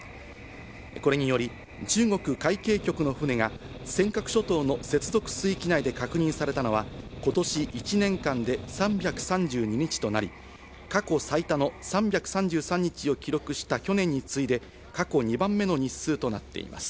これにより、中国海警局の船が尖閣諸島の接続水域内で確認されたのは今年１年間で３３２日となり、過去最多の３３３日を記録した去年に次いで、過去２番目の日数となっています。